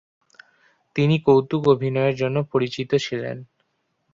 তিনি কৌতুক অভিনয়ের জন্য পরিচিত ছিলেন।